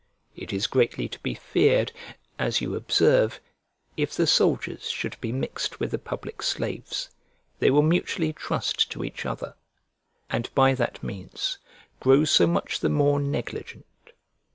It is greatly to be feared, as you observe, if the soldiers should be mixed with the public slaves, they will mutually trust to each other, and by that means grow so much the more negligent.